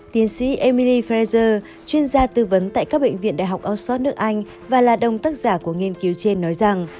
tiến sĩ emily frezer chuyên gia tư vấn tại các bệnh viện đại học oxford nước anh và là đồng tác giả của nghiên cứu trên nói rằng